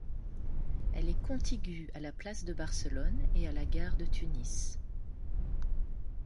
Elle est contigue à la place de Barcelone et à la gare de Tunis.